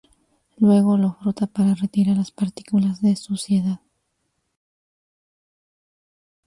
Luego, lo frota para retirar las partículas de suciedad.